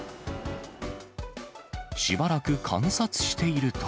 しばらく観察していると。